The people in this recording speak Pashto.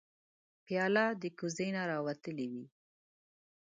پیاله د کوزې نه راوتلې وي.